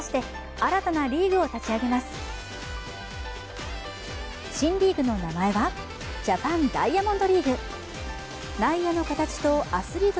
新リーグの名前はジャパンダイヤモンドリーグ。